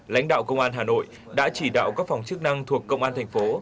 lãnh đạo công an hà nội đã chỉ đạo các phòng chức năng thuộc công an thành phố